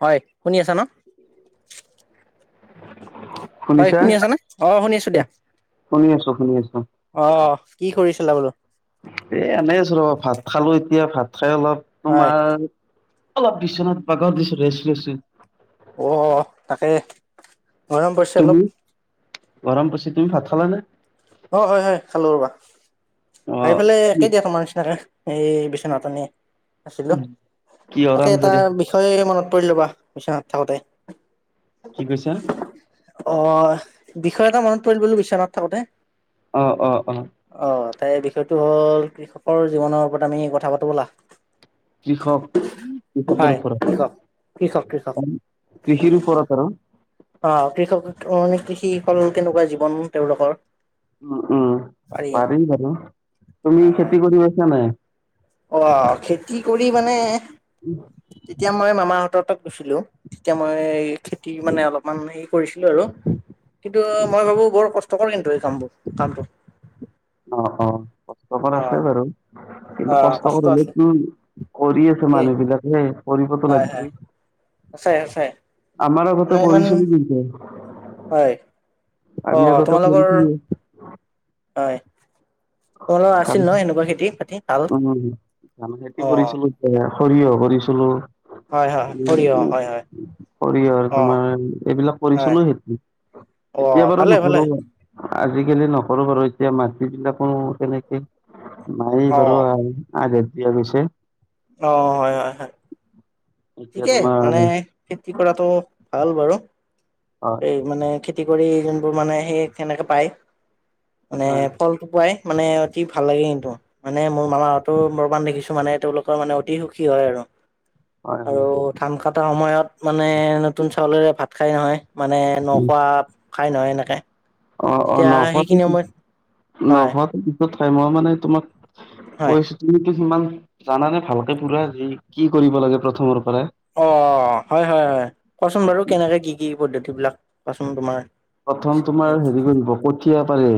হয় শুনি আছা ন? হয় শুনিছা? শুনি আছা নে? অ শুনি আছো। দিয়া, শুনি আছো শুনি আছো। অ কি কৰিছিলা বোলো? এ এনেই আছো ৰ ভাত খালো এতিয়া, ভাত খাই অলপ হয় তোমাৰ অলপ বিচনাত বাগৰ দিছো ৰেছ লৈছো। অ তাকে গৰম পৰিছে তুমি? অলপ। গৰম পৰিছে তুমি ভাত খালা নে? অ হয় হয় খালো ৰবা, অ' আহিফালে কি একেই দিয়া তোমাৰ নিচিনাকে। এই বিচনাট এনেই আছিলোঁ কিহৰ তাকে আঞ্জা এটা দি বিষয় মনত পৰি ৰবা বিচনাত থাকোতে। কি কৈছা? অ, বিষয় এটা মনত পৰিল বোলো বিচনাত থাকোতে। অ অ অ। অ তাই বিষয়টো হ'ল কৃষকৰ জীৱনৰ ওপৰত আমি কথা পাতো বলা। কৃষক কৃষকৰ হয় কৃষক কৃষক কৃষক ওপৰত। কৃষিৰ ওপৰত আৰু। অ কৃষক মানে কৃষি হল কেনেকুৱা জীৱন তেওঁলোকৰ। উম উম পাৰি পাৰিম বাৰু তুমি হয় খেতি কৰি পাইছা নাই। অ খেতি কৰি মানে উম। তেতিয়া মই মামাহঁতত গৈছিলো, তেতিয়া মই খেতি মানে অলপমান হেৰি কৰিছিলো আৰু। কিন্তু মই ভাবো বৰ কষ্টকৰ কিন্তু এই কামবোৰ কামটো। অ অ কষ্টকৰ আছে অ', বাৰু। কিন্তু অ', কষ্ট আছে। কৰিলেতো কৰি আছে ঠিকেই মানুহ বিলাকে। কৰিবটো হয়, হয়, লাগিবই। সঁচাই সঁচাই আমাৰ মানে ঘৰতে ইমান কৰিছিল কিন্তু। হয়, অ আমি আগতে তোমালোকৰ কৰিছিলো হয়। তোমালোকৰ ধান, আছিল ন এনেকুৱা খেতি বাতি ভাল? উম ধান খেতি অ', কৰিছিলো তেতিয়া। সৰিয়হ কৰিছিলো। হয়, হয়, সৰিয়হ হয়, হয়, কৰি আৰু অ', তোমাৰ এইবিলাক কৰিছো হয়, ন সেইটো এতিয়া অ', বাৰু ভালে ভালে নকৰোঁ মই। আজিকালি নকৰো বাৰু এতিয়া মাটিবিলাকো কেনেকে নাই অ', বাৰু আগ দিয় পিছে। অ হয় হয় হয়। এতিয়া ঠিকে তোমাৰ মানে খেতি কৰাটো ভাল বাৰু, হয় এই মানে খে খেতি কৰি যোনবোৰ মানে সেই সেনেকৈ পায় মানে হয় ফলটোপুৱাই মানে। দেখি ভাল লাগে কিন্তু মানে মোৰ মামা হতৰ পৰমান দেখিছো মানে তেওঁলোকৰ মানে অতি সুখী হয় আৰু। হয় আৰু হয় ধান কটা সময়ত মানে নতুন চাউলেৰে ভাত খাই নহয়। মানে নখোৱা খাই নহয় এনেকে। অঁ অঁ তেতিয়া নশ সেইখিনি সময়ত হয় নশ [unintelligible] ঠাই মই মানে তোমাক হয় কৈছো তুমি সিমান জানানে ভালকে পুৰা যি কি কৰিব লাগে প্ৰথমৰ। পৰাই অ হয় হয় হয় কোৱাচোন বাৰু কেনেকে কি কি পদ্ধতি বিলাক কোৱাচোন তোমাৰ প্ৰথম তোমাৰ হেৰি কৰিব কঠীয়া পাৰে।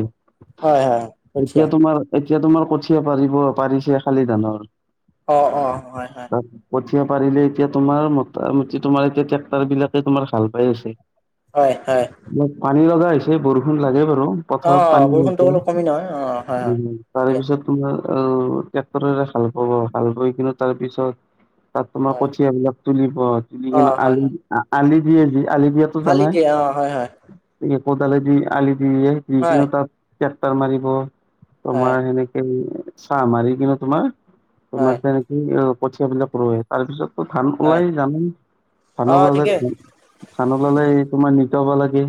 হয় হয় এতিয়া কঠিয়া। তোমাৰ এতিয়া তোমাৰ কঠিয়া পাৰিব পাৰিছে শালি ধানৰ। অ অ হয় হয়। এতিয়া পাৰিলে এতিয়া তোমাৰ মোটামুটি তোমাৰ এতিয়া ট্ৰেক্টৰ বিলাকে তোমাৰ হাল বাই আছে হয় হয়। অপ পানী লগা হৈছে বৰষুণ লাগে ব অ পথাৰত পানী বৰষুণটো নিয়া অলপ কমি নহয় অ হয় উ হয় তাৰে ঠিকে পিছত তোমাৰ ট্ৰেক্টৰেৰে হাল পাব হাল বাই কিনে তাৰ পিছত তাত তোমাৰ হয় কঠিয় বিলাক তুলিব তুলি অ কিনে হয় আলি হয় আলি দিয়ে যি আলি দিয়াতটো আলি জানাই। দিয়ে অ হয় হয় কদালে দি আলি দিয়ে দি হয় কিনে তাত তেক্টাৰ মাৰিব। হয় তোমাৰ সেনেকে চাহ মাৰি কিনো তোমাৰ হয় তোমাৰ তেনেকি পঠিয়াবিলাক [unintelligible] তাৰপিছততো ধান হয় ওলাই জানো ধান অ ওলালে ঠিকেই ধ ধান ওলালে তোমাৰ নিকাব লাগে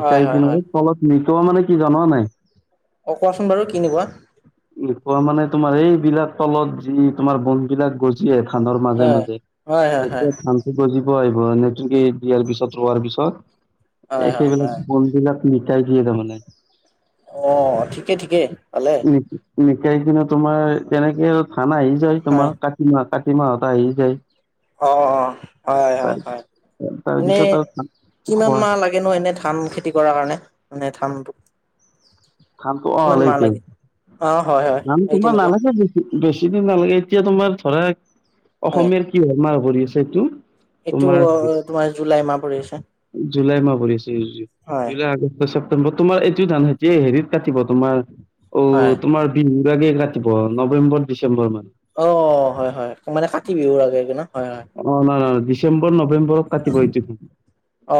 হয় হয় কিনে হয় তলত নিক মানে কি জনোৱা নাই অঁ কোৱাচোন বাৰু কি নিবা? কোৱা মানে তোমাৰ এইবলাক তলত যি তোমাৰ বন বিলাক গজি আহে। ধানৰ মাজে হয় মাজে হয় হয় হয় যেতিয়া ধানটো গজিব আহ নেটুক দিয়াৰ পিছত ৰোৱাৰ হয় পিছত হয় সেইবিলাক হয় বন বিলাক চাইছ ত মানে। অ ঠিকে ঠিকে পালে। দিনত তোমাৰ তেনেকে ধান আহি যায় হয় তোমাৰ কাতি মাহ কাতি মাহটা আহি যায়। অ অ হয় হয় তাৰ হয় এনেই তাৰপিছত আৰু থান কিমান খোৱা মাহ লাগে? কনো এনে ধান খেতি কৰাৰ কাৰণে মানে ধানটো। ধানটো অ কিমান মাহ [unintelligible] লাগে অ হয় হয় ধান এই তোমাৰ তেনেকুৱা নালাগে বেছি বেছি। দিন নালাগে এতিয়া তোমাৰ ধৰা, হয় অসমীয়াৰ কি ধণাৰ ভৰি আছে এইটো? এইটো তোমাৰ জুলাই মাহ পৰি আছে। জুুলাই মাহ পৰিছে [inaudible] হয় জুলাই অগষ্ট চপ্টেম্বৰ। তোমাৰ এইটো ধানতি হেৰিত কাটিব তোমাৰ অ হয় তোমাৰ বিহু। [unintelligible] প নবেম্বৰ ডিচেম্বৰ মানে। অ হয় হয় মানে কাতি বিহুৰ আগে আগে নহ হয়। হয় অ নাই নাই নাই ডিচেম্বৰ নৱেম্বৰতৰত কাটিব এইটো। অ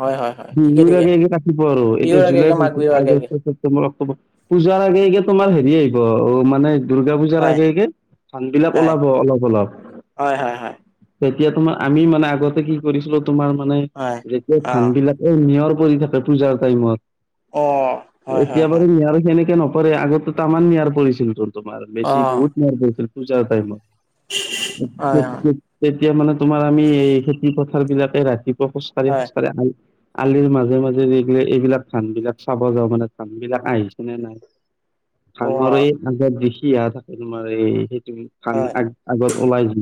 হয় হয় হয় ঠিকে বিহুৰ ঠিকে আগে আগে কাটিব আৰু এতিয়া বিহুৰ আগে জুলাই আগে মাঘ বিহুৰ আগে আগে আগষ্টৰ ছেপটেম্বৰ অক্টোবৰ। পূজাৰ আগে আগে তোমাৰ হেৰি আহিব অ মানে। দূৰ্গা পূজাৰ হয় আগে আগে ধান বিলাক হয় ওলাব অলপ অলপ। হয় হয় হয় তেতিয়া তোমাৰ আমি মানে আগতে কি কৰিছিলো তোমাৰ মানে হয় যেতিয়া অ ধান বিলাকে নিয়ৰ পৰি থাকে পজাৰ টাইমত অ হয় হয় এতিয়া হয় বাৰু নিয়ৰ সেনেকে ন নপৰে আগতে তামাম নিয়াৰ পৰিছিল টোন তোমাৰ অ ৰেছি বহুত নিয়াৰ পৰিছিল পূজাৰ টাইমত। [unintelligible] তেতিয়া মানে তোমাৰ আমি এই খেতি পথাৰ বিলাকে ৰাতিপুৱা খোজ কঢ়ি হয় খোজ কঢ়ি আহম আলিৰ মাজে মাজে এইগিলে এইবিলাক ধান বিলাক চাব যাওঁ মানে ধান বিলাক আহিছেনেে নাই। অ ধাানৰে আজত দেখি আহা থাকে তোমাৰ এইেই। ধান হয় আগ আগত ওলাই য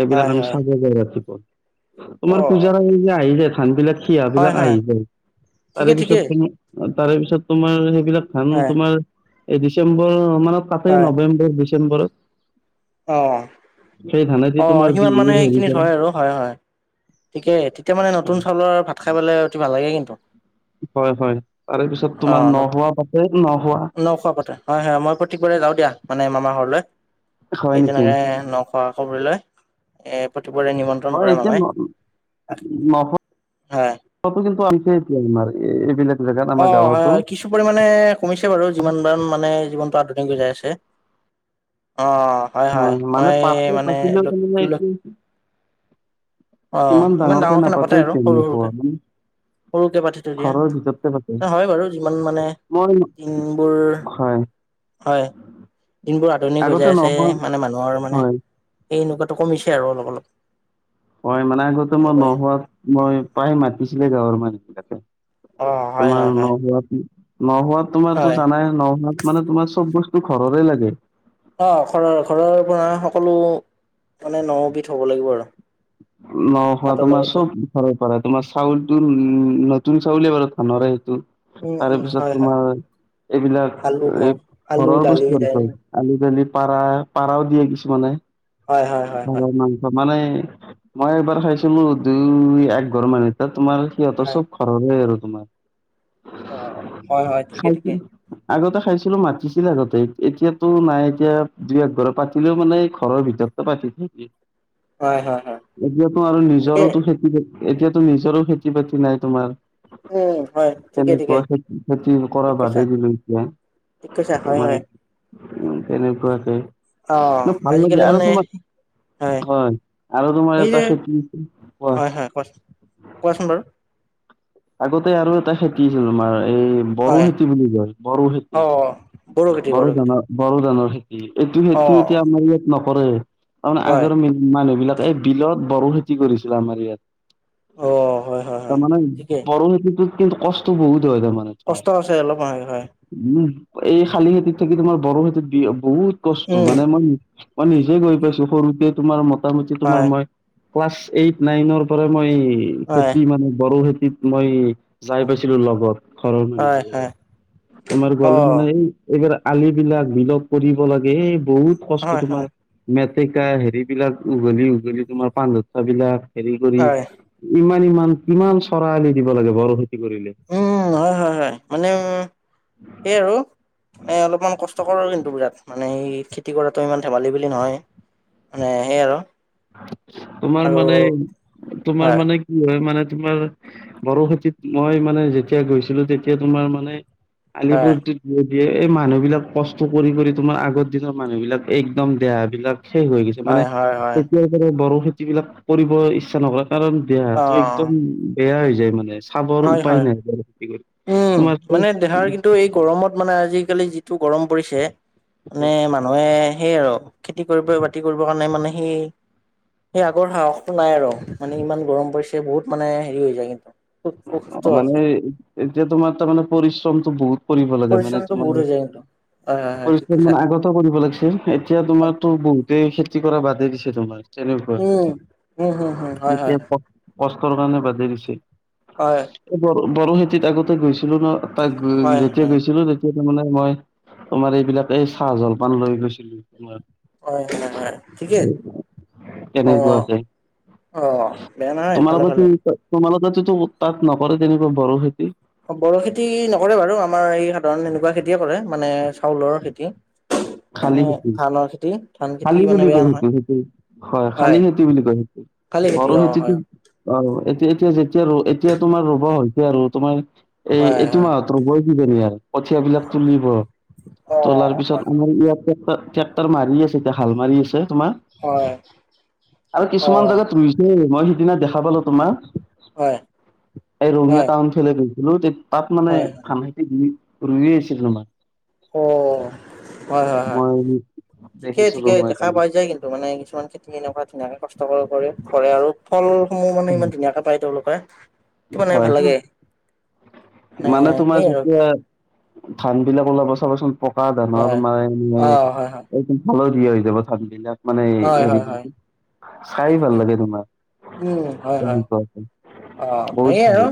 এইবিলাক হয় আমি হয় চাব পাৰ ৰাতিপুৱা। অ তোমাৰ পূজাৰা এই যে আহি যায় চান বিলাক। সিহঁত হয় বিলাক হয় আহিগল তাৰ ঠিকে ঠিকে পিছত সেই বিলাক ধান হয় তোমাৰ এই ডিচেম্বৰ মানে কাাটেই হয় নৱেম্বৰ ডিচেম্বৰত। অ। সেই থানে। অ সিমান মানে সেইখিনিত হয় আৰু হয় হয়। থিকে ঠিকে মানে নতুন হয় চাউলৰ ভাত খাইলে অতি ভাল লাগে কিন্তু। হয় হয় তাৰে পিছত অ তোমাৰ নতু নহোৱা পাতে নহোৱা নখোৱা পাতে হয় হয় মই প্ৰক- যা দিয়া মানে মামাৰলৈ হয় এই নেকি তেনেকৈ নখোৱা খ প্ৰতিবৰে নিমন্ত্ৰণ কৰে মানুহে। ম কিন্তু আনছেতি আমাৰ এইবিলাক জেগাত অ আমাৰ হয় গাঁৱতো হয় কিছু পৰিমামানে কমিছে বাৰু যিমান দাৰ মানে যিমান- দুনকৈ যাই আছে অ- হয় হয় মানে মই পাতে মানে পাতিলেও তাৰমানে এতিয়া অ ইমান ডাঙৰকে নাপাতে আৰু সৰু সৰুকে- সৰুকে পাতি থৈ ঘৰৰ ভিতৰতে পাতে দিয়া হয় বাৰু যিমান মানে। মই দিনবোৰ হয় [unintelligible] হয় দিনবোৰ আধুনিক হৈ আগতে যায় আছে নহোৱা মানে মানুহৰ মানে হয় এই এনেকুৱা কমিছে আৰু অলপ অলপ হয় মানে আগতে মই এনেকুৱাই নহোৱাত মই প্ৰায় মাতিছিলে গাঁৱৰ অ মানুহবিলাকে হয় তোমাৰ হয় হয় ন হ নহোৱাত তোমাৰো হয় জানাই নহোৱাত মানে তোমাৰ চব বস্তু ঘৰৰে লাগে। অ ঘৰৰ ঘৰৰ পৰা সকলো মানে নবিধ হ'ব লাগিব আৰু ন খোৱা ভাতৰ তোমাৰ লগতে চব ঘৰ পাৰে তোমাৰ চাউলটো উ চাউলে বাৰু ধানৰে সেটো উম তাৰে উম পিছত হয় হয় তোমাৰ এইবিলাক আলু গম এই আলু ঘৰৰ দালি বস্তু আৰু দাইল ক আলু দালি পাৰা পাৰাও দিয়ে কিছুমানে হয় হয় হয় হয়। পাৰৰ মাংস মানে মই এবাৰ খাইছো মোৰ দুই একঘৰ মান তাত- তোমাৰ সিহঁতৰ হয় চব ঘৰৰে আৰু তোমাৰ- অ হয় হয় ঠিকে খাইছিল ঠিকে- আগতে খাইছিলো মাতিছিল আগতে এতিয়াতো নাই এতিয়া দুই একঘ পাতিলেও মানে ঘৰৰ ভিতৰত - তপাতি - হয় হয় হয় এতিয়াতো আৰু ঠিকে নিজৰো খেতিবাতি এতিয়াতো নিজৰো খেতি বাতি নাই তোমাৰ উম হয় - ঠিকে ঠিকে তেনেকুৱাতি খেতি কৰা ঠিক কৈছা বাদেই দিলো এতিয়া। ঠিক কৈছে হয় হয়। উ তেনেকুৱাটে অ ভাল লাগে আজিকালি আৰু মানে তোমাৰ হয় আৰু তোমাৰ এই ত যে স কি হয় হয় কোৱাচোন কোৱাচোন বাৰু [unintelligible] আগতে আৰু এটা খেতিছিলো আমাৰ এই বড়ো হয় খেতি বুলি কয় বড়ো অ খেতি বড়ো ধানৰ বড়ো, ধানৰ- খেতি এইটো অ খেতি এতিয়া আমাৰ ইয়াত নকৰে কাৰ হয় আগৰ মানুহ বিলাক এই বিলত- বড়ো খেতি কৰিছিলে আমাৰ ইয়াত অ হয় হয় হয় তাৰমানে ঠিকেই বড়ো খেতিটো- কিন্তু কষ্ট বহুত হয় তাৰমানে তোমাৰ কষ্ট আছে অলপ হয় হয় উম- এই শালি খেতিত থাকি তোমাৰ বড়ো খেতিত বি বহুত কষ্ট উম মানে মই মই নিজে গৈ ঠিকেই পাইছো সৰুতে তোমাৰ মোটামুটি তোমাৰ হয় মই- ক্লাছ এইট নাইনৰ পৰা মই হয় খেতি মানে বড়ো খেতি - মই যায় পাইছিলো লগত ঘৰৰ মানে হয় হয় তোমাৰ অ গলে মানে এই এইবাৰ আলিবিলাক বিলগ কৰিব লাগে এই বহুত কষ্ট হয় তোমাৰ হয় দিগদাৰ হেৰি বিলাক উঘলি উঘলি তোমাৰ পাণ লতা বিলাক হেৰি হয় ই ইমান কিমান চৰালি দিব লাগে বৰ সেই উম হয় হয় হয় মানে সেই আৰু মানে অলপমান কষ্ট কষ্টকৰ কিন্তু বিৰাট মানে এই খেতি কৰাটো ইমান ধেমালি বুলি নহয় মানে সেই আৰু তোমাৰ আৰু মানে তোমাৰ হয়, মানে কি হয় মানে তোমাৰ বড়ো খেতিত মই মানে যেতিয়া গৈছিলো তেতিয়া তোমাৰ মানে হয়, আলিপুৰ [unintelligible] এই মানুহ বিলাক কষ্ট কৰি কৰি তোমাৰ আগৰ দিনৰ মানুহ বিলাক একদম দেহ বিলাক শেষ হৈ গৈছে মানে হয়, হয়, হয়। এতিয়াৰ পৰা বড়ো খেতি বিলাক কৰিব ইচ্ছা নকৰে কাৰণ দেহটো অ', একদম বেয়া হৈ যায় মানে চাবৰ হয় উপায় হয় নাই বড়ো খেতি কৰি। উম তোমাৰ চব মানে দেহাৰ কিন্তু এই গৰমত মানে আজি আজিকালি যিটো গৰম পৰিছে মানে মানুহে সেই আৰু খেতি কৰিব বাতি কৰিবৰ কাৰণে মানে সেই সেই আগৰ সাহসটো নাই আৰু মানে ইমান গৰম পৰিছে বহুত মানে হেৰি হৈ যায় অসুস্থ হৈ মানে যায়, এতিয়া তোমাৰ তাৰমানানে পৰিশ্ৰমটো বহুত কৰিব লাগে মানে পৰিশ্ৰমটো বহুত তোমাৰ হৈ যায় কিন্তু হয়, হয়, হয়, ঠিক পৰিশ্ৰম মানে কৈছা। আগত কৰিব লাগিছিল এতিয়া তোমাৰো বহুতে খেতি কৰা বাদে দিছে তোমাৰ তেনেকুৱা উম, উম, হুম, হুম, হয়, হয়, লোকে কষ্টৰ কাৰণে বাদেই দিছে হয় এই বৰ বড়ো নীতি আগতে গৈছিলো ন তাক হয়, যেতিয়া হয়। গৈছিলো তোৰ মানে মই তোমাৰ এইবিলাক এই চাহ জলপান লৈ গৈছিলো তোমাৰ অহ হয় হয় ঠিকে অহ তেনেকুৱাকে অহ বেয়া নহয় ভালে ভালে তো তাত নকৰে তেনেকুৱা বড়ো খেতি বড়ো খেতি নকৰে বাৰু আমাৰ এই সাধাৰণ এনেকুৱা খেতিয়ে কৰে মানে চাউলৰ খেতি [unintelligible] শালি খেতি ধানৰ খেতি ধান খেতি শালি মানে বুলি বেয়া কয় নহয় সেইটো সেইটো হয় শালি খেতি বুলি কয় সেইটো খালি খেতি বড়ো অ', খেতিতো হয়। অৱ এতিয়া যেতিয়া ৰ এতিয়া তোমাৰ ৰুৱ হৈছে আৰু তোমাৰ এই হয়, এইটো হয়, মাহত ৰুবই কি কৰিম আৰ কঠিয়া বিলাক তুলিব তোলাৰ পিছত অহ আমাৰ ইয়াত ট্ৰেট ট্ৰেক্টাৰ মাৰি আছে এতিয়া হাল মাৰি আছে। তোমাৰ হয় আৰু হয়, কিছুমান অ', জোগাত ৰুইছে মই সিদিনা দেখা পালো তোমাৰ হয়, এই ৰঙিয়া হয়, হয়, অ', টাউন ফালে দি বোৰো তে তাত মানে হয়, ধান খেতিই ৰুইয়ে আছিল তোমাৰ অহ হয় হয় হয় মই ঠিকেই দেখিছিলো ঠিকে মই দেখা তাৰমানে পাই যায় কিন্তু মানে কিছুমান খেতি এনেকুৱা ধুনীয়াকে কষ্ট কৰে কৰেৰে আৰু ফলসমূহ মানে ইমান ধুনীয়াকে পায় তেওঁলোকে সেইটো মানে হয় ভাল হা, লাগে মানে তোমাৰ সেই আৰু যেতিয়া ধান বিলাক ওলাব চাবচোন পকা ধানৰ হয় মাজে অ হয় হয় মাজে সৰু কি হৈ যাব ধান বিলাক মানে হয় হয় এৰি হয় দিছে ঠিকে চাই ঠিকে ভাল লাগে তোমাক তেনেকুৱা কে অহ সেইয়াই আৰু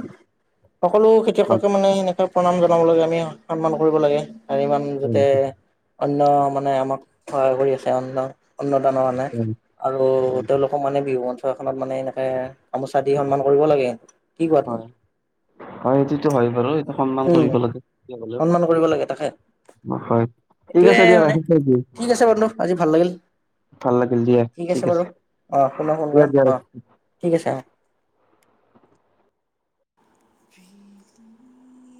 সকলো ভাল খেতিয়ককে মানে এনেকে প্ৰণাম জনাব লাগে আমি সন্মান কৰিব লাগে আৰু ইমান যাতে অন্ন মানে আমাক সহায় কৰি আছে অন্ন অন্ন দানৰ কাৰনে আৰু তেওঁলোকক মানে বিহু মঞ্চ এখনত মানে এনেকে গামোচা দি সন্মান কৰিব লাগে। কি কোৱা তুমি হয় হয় এইটোতো হয় বাৰু সন্মান উম, কৰিব লাগে হলেও সন্মান কৰিব লাগে তাকে হয় ঠিক এইটোয়ে আছে দিয়া মানে ৰাখিম থৈ দিওঁ। ঠিক আছে বন্ধু আজি ভাল লাগিল ভাল লাগিল দিয়া ঠিক আছে, অ' পুনৰ ফোন দিয়া কৰিম দিয়া অ' ৰাখিছোঁ। ঠিক আছে [unintelligible] [unintelligible]